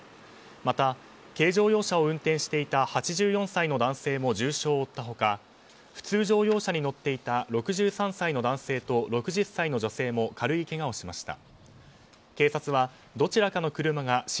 また、軽乗用車を運転していた８４歳の男性も重傷を負った他普通乗用車に乗っていた６３歳の男性と６０歳の女性も軽いけがをしました。